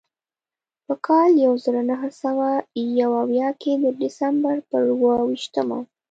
په کال یو زر نهه سوه یو اویا کې د ډسمبر پر اوه ویشتمه.